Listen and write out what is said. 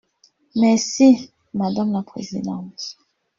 Merci, madame la présidente.